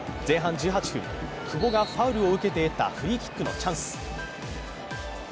前半１８分、久保がファウルを受けて得たフリーキックのチャンス。